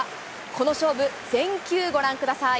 この勝負、全球ご覧ください。